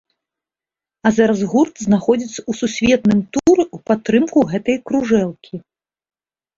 А зараз гурт знаходзіцца ў сусветным туры ў падтрымку гэтай кружэлкі.